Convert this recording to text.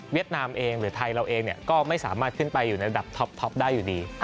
นามเองหรือไทยเราเองก็ไม่สามารถขึ้นไปอยู่ในระดับท็อปได้อยู่ดี